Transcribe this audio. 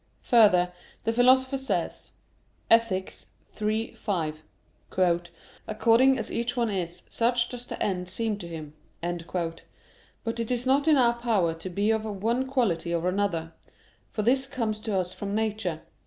5: Further, the Philosopher says (Ethic. iii, 5): "According as each one is, such does the end seem to him." But it is not in our power to be of one quality or another; for this comes to us from nature.